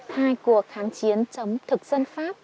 hai cuộc kháng chiến chống thực dân pháp